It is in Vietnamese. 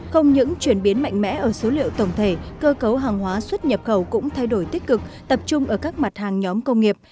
không những chuyển biến mạnh mẽ ở số liệu tổng thể cơ cấu hàng hóa xuất nhập khẩu cũng thay đổi tích cực tập trung ở các mặt hàng nhóm công nghiệp